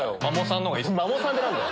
「マモさん」って何だよ